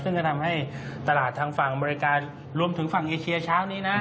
ซึ่งก็ทำให้ตลาดทางฝั่งอเมริการวมถึงฝั่งเอเชียเช้านี้นะ